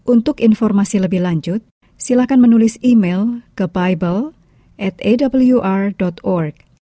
untuk informasi lebih lanjut silakan menulis email ke bible atawr org